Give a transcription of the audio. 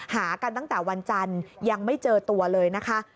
หากันตั้งแต่วันจันทร์ยังไม่เจอตัวเลยนะคะ